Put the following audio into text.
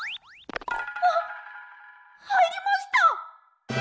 あっはいりました！